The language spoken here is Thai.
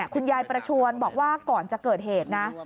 คุณยายประชวนบอกว่าก่อนจะเกิดเหตุนะ